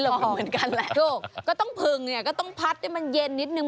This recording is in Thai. เหมือนกันแหละถูกก็ต้องพึงเนี่ยก็ต้องพัดให้มันเย็นนิดนึง